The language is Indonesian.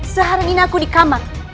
seharani aku di kamar